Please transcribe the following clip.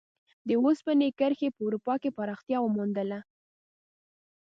د اوسپنې کرښې په اروپا کې پراختیا وموندله.